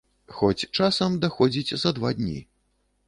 Хоць часам даходзіць за два дні.